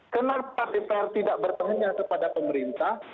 kenapa dpr tidak bertanya kepada pemerintah